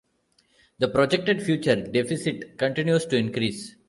The projected future deficit continues to increase.